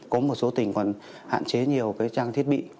có một số tỉnh còn hạn chế nhiều trang thiết bị